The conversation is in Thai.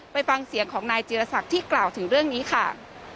ไปฟังเสียงของนายจีรศักดิ์ที่กล่าวถึงเรื่องนี้ค่ะ